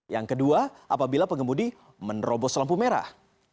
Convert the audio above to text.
yang kedua apabila pengemudi menerobos lampu merah